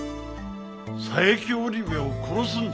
佐伯織部を殺すんじゃと？